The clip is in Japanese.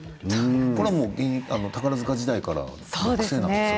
これはもう宝塚時代から癖なんですか？